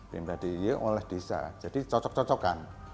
pemba di iya oleh desa jadi cocok cocok kan